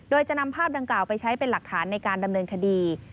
โดยจะนำภาพดังกล่าวไปใช้เป็นหลักฐานในการดำเนินคดี